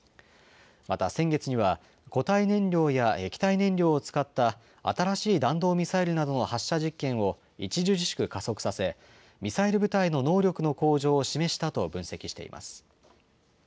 また、先月には、固体燃料や液体燃料を使った新しい弾道ミサイルなどの発射実験を著しく加速させ、ミサイル部隊の能力の向上を示したと分析しています。